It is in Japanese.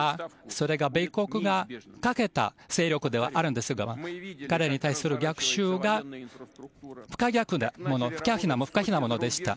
それが米国がかけた勢力ではあるんですが彼らに対する逆襲が不可避なものでした。